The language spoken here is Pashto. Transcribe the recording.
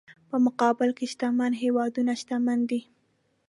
په مقابل کې شتمن هېوادونه شتمن دي.